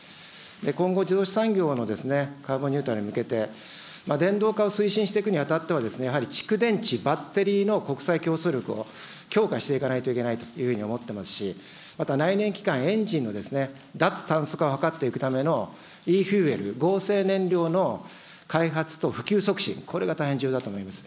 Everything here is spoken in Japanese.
今後、自動車産業のカーボンニュートラルに向けて、電動化を推進していくにあたっては、やはり蓄電池、バッテリーの国際競争力を強化していかないといけないというふうに思っていますし、また内燃機関、エンジンの脱炭素化を図っていくためのイーフューエル、合成燃料の開発と普及促進、これが大変重要だと思います。